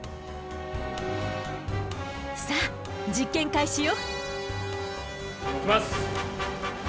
さあ実験開始よ！